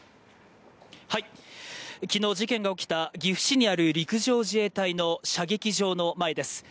昨日事件が起きた岐阜市にある陸上自衛隊の射撃場の前です。